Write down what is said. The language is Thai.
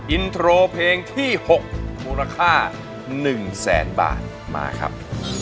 อินโทรเพลงที่๖มูลค่า๑แสนบาทมาครับ